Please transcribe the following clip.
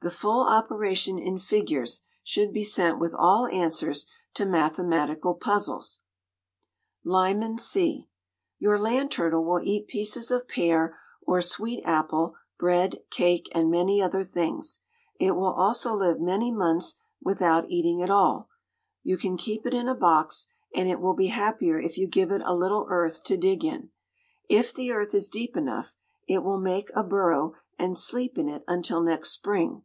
The full operation in figures should be sent with all answers to mathematical puzzles. LYMAN C. Your land turtle will eat pieces of pear or sweet apple, bread, cake, and many other things. It will also live many months without eating at all. You can keep it in a box, and it will be happier if you give it a little earth to dig in. If the earth is deep enough, it will make a burrow and sleep in it until next spring.